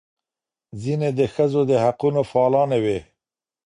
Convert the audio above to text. ځینې د ښځو د حقونو فعالانې وې.